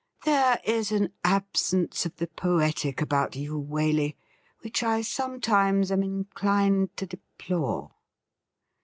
' There is an absence of the poetic about you, Waley, which I sometimes am inclined to deplore.'